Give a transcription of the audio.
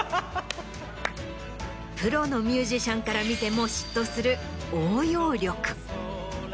プロのミュージシャンから見ても嫉妬する応用力。